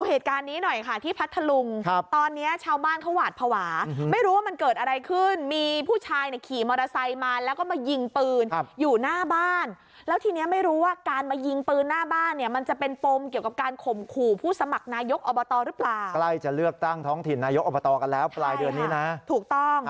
เหตุการณ์นี้หน่อยค่ะที่พัทธลุงครับตอนนี้ชาวบ้านเขาหวาดภาวะไม่รู้ว่ามันเกิดอะไรขึ้นมีผู้ชายเนี่ยขี่มอเตอร์ไซค์มาแล้วก็มายิงปืนอยู่หน้าบ้านแล้วทีนี้ไม่รู้ว่าการมายิงปืนหน้าบ้านเนี่ยมันจะเป็นปมเกี่ยวกับการข่มขู่ผู้สมัครนายกอบตหรือเปล่าใกล้จะเลือกตั้งท้องถิ่นนายกอบตกันแล้วปลายเดือนนี้นะถูกต้อง